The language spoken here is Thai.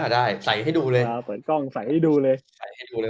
ได้ใส่ให้ดูเลย